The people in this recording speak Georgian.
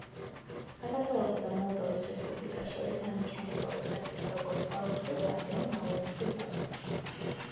საქართველოსა და მოლდოვის რესპუბლიკას შორის თანამშრომლობა ვითარდება როგორც ორმხრივ, ასევე მრავალმხრივ ფორმატში.